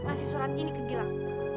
ngasih surat ini ke gilang